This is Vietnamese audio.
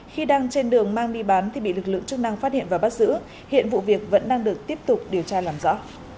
khi đang trên đường mang đi bán thì bị lực lượng chức năng phát hiện và bắt giữ hiện vụ việc vẫn đang được tiếp tục điều tra làm rõ